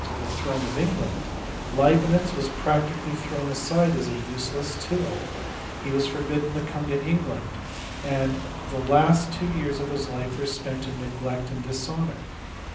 to the throne of England, Leibnitz was practically thrown aside as a useless tool ; he was forbidden to come to England ; and the last two years of his life were spent in neglect and dishonour.